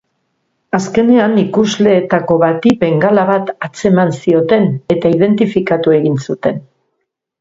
Azkenean, ikusleetako bati bengala bat atzeman zioten eta identifikatu egin zuten.